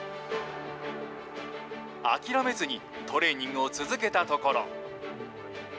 諦めずにトレーニングを続けたところ。